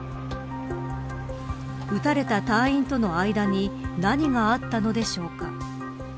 撃たれた隊員との間に何があったのでしょうか。